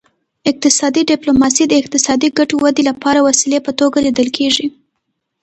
اقتصادي ډیپلوماسي د اقتصادي ګټو ودې لپاره د وسیلې په توګه لیدل کیږي